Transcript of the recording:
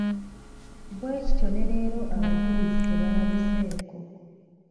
Bwekityo ne leero abajulizi tebalabiseeko .